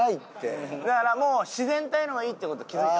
だからもう自然体の方がいいって事に気付いた。